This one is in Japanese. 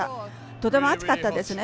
とても暑かったですね。